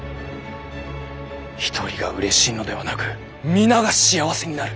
一人がうれしいのではなく皆が幸せになる。